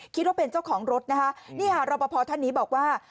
คิดว่าเป็นเจ้าของรถนะคะนี่ค่ะรอปภท่านนี้บอกว่า